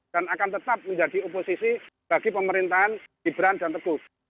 dan akan tetap menjadi oposisi bagi pemerintahan gibran dan teguh